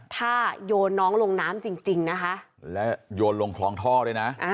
ถ้าโยนน้องลงน้ำจริงนะคะแล้วโยนลงคลองท่อด้วยนะ